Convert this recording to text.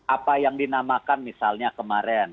apa yang dinamakan misalnya kemarin